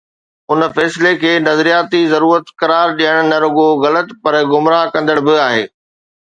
ان فيصلي کي ”نظرياتي ضرورت“ قرار ڏيڻ نه رڳو غلط پر گمراهه ڪندڙ به آهي.